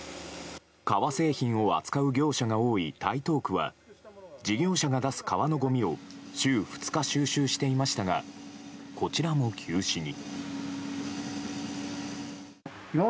革製品を扱う業者が多い台東区は事業者が出す革のごみを週に２日収集していましたがこちらも休止に。